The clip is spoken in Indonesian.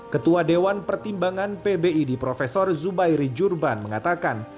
ketua dewan pertimbangan pbi di profesor zubairi jurban mengatakan